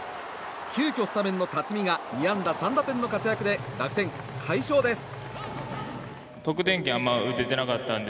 急きょ、スタメンの辰己が２安打３打点の活躍で楽天、快勝です。